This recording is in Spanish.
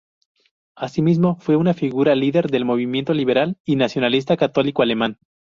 Asimismo, fue una figura líder del movimiento liberal y nacionalista católico alemán.